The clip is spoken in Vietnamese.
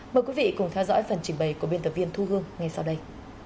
mời quý vị cùng theo dõi phần trình bày của biên tập viên thu hương ngay sau đây